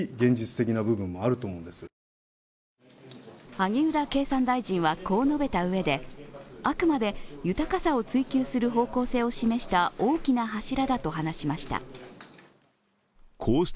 萩生田経産大臣はこう述べたうえであくまで豊かさを追求する方向性を示した大きな柱だと話しました。